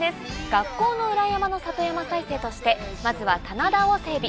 学校の裏山の里山再生としてまずは棚田を整備。